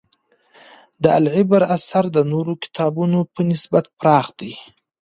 د «العِبر» اثر د نورو کتابونو په نسبت پراخ دی.